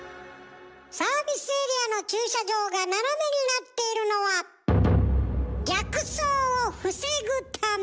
サービスエリアの駐車場が斜めになっているのは逆走を防ぐため。